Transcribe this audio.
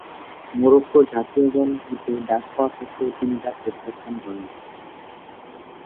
Morocco জাতীয় দল হতে ডাক পাওয়া সত্ত্বেও তিনি তা প্রত্যাখ্যান করেন।